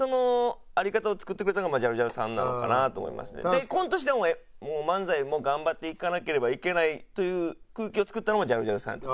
でコント師でも漫才も頑張っていかなければいけないという空気を作ったのもジャルジャルさん。